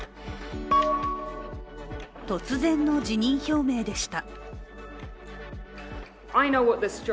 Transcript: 突然の辞任表明でした。